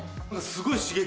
すごい刺激